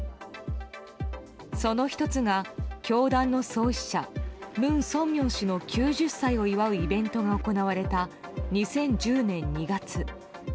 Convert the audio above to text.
その１つが教団の創始者・文鮮明氏の９０歳を祝うイベントが行われた２０１０年２月。